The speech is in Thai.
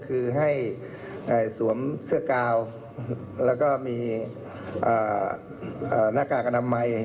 คือให้สวมเสื้อกาวแล้วก็มีหน้ากากอนามัย